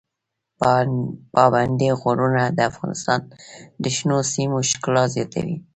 پابندي غرونه د افغانستان د شنو سیمو ښکلا زیاتوي.